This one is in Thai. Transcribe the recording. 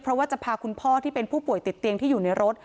เพราะว่าจะพาคุณพ่อที่เป็นผู้ป่วยติดเตียงที่อยู่ในรถ